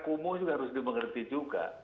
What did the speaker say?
kumuh juga harus dimengerti juga